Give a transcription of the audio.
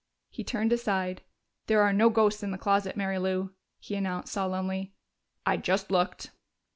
He turned aside. "There are no ghosts in the closet, Mary Lou," he announced solemnly. "I just looked."